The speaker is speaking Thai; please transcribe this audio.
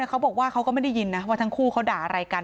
เขาบอกว่าเขาก็ไม่ได้ยินนะว่าทั้งคู่เขาด่าอะไรกัน